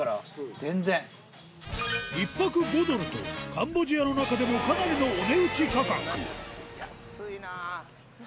１泊５ドルとカンボジアの中でもかなりのお値打ち価格安いなぁ！